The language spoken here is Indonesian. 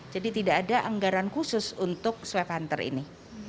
jadi tidak ada anggaran khusus untuk swap hunter ini